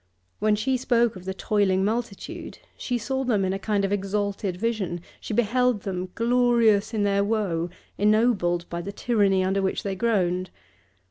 When she spoke of the toiling multitude, she saw them in a kind of exalted vision; she beheld them glorious in their woe, ennobled by the tyranny under which they groaned.